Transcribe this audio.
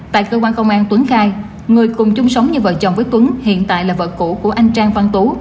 tại cơ quan công an tuấn khai người cùng chung sống như vợ chồng với tuấn hiện tại là vợ cũ của anh trang văn tú